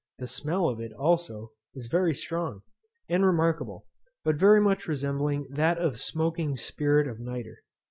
The smell of it, also, is very strong, and remarkable, but very much resembling that of smoking spirit of nitre.